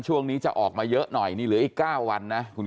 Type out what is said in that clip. ช่วงนี้จะออกมาเยอะหน่อยนี่เหลืออีก๙วันนะคุณ